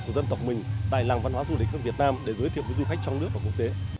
của dân tộc mình tại làng văn hóa du lịch các việt nam để giới thiệu với du khách trong nước và quốc tế